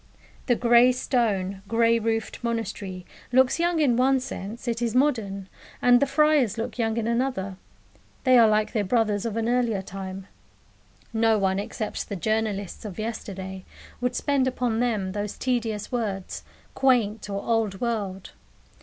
The grey stone, grey roofed monastery looks young in one sense it is modern; and the friars look young in another they are like their brothers of an earlier time. No one, except the journalists of yesterday, would spend upon them those tedious words, "quaint," or "old world."